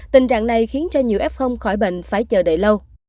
tình trạng này khiến cho nhiều f khỏi bệnh phải chờ đợi lâu